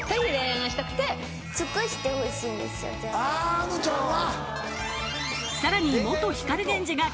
あのちゃんは。